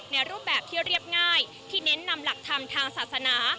รูปแบบที่เรียบง่ายที่เน้นนำหลักธรรมทางศาสนา